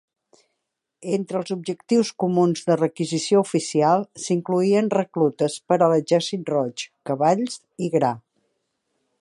Entre els objectius comuns de requisició oficial, s'incloïen reclutes per a l'Exèrcit Roig, cavalls i gra.